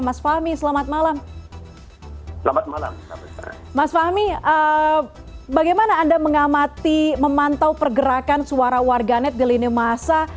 mas fahmi selamat malam mas fahmi bagaimana anda mengamati memantau pergerakan suara warganet di lini masa